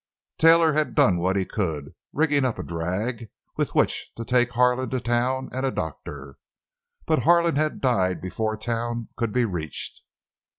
Taylor had done what he could, rigging up a drag with which to take Harlan to town and a doctor, but Harlan had died before town could be reached.